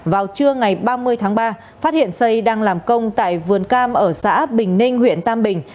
vào trưa ngày ba mươi tháng ba phát hiện xây đang làm công tại vườn cam ở xã bình ninh huyện tam bình